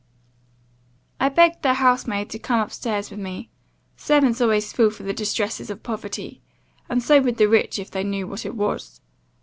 "I begged the house maid to come up stairs with me (servants always feel for the distresses of poverty, and so would the rich if they knew what it was).